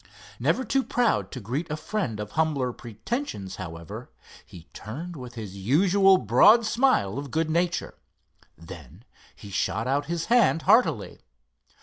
Never too proud to greet a friend of humbler pretensions, however, he turned with his usual broad smile of good nature. Then he shot out his hand heartily.